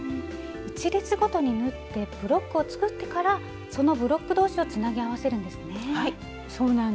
１列ごとに縫ってブロックを作ってからそのブロック同士をつなぎ合わせるんですね。